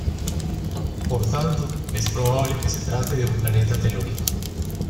Por tanto, es probable que se trate de un planeta telúrico.